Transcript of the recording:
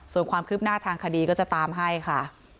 ส่วนความคืบหน้าทางคดีก็จะตามให้ค่ะ